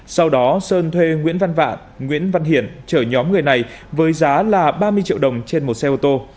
sau đó sơn thuê nguyễn văn vạn nguyễn văn hiển chở nhóm người này với giá là ba mươi triệu đồng trên một xe ô tô